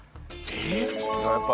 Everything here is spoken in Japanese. えっ！？